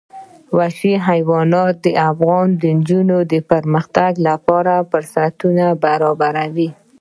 وحشي حیوانات د افغان نجونو د پرمختګ لپاره فرصتونه برابروي.